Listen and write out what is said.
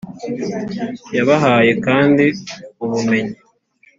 Yabahaye kandi ubumenyi,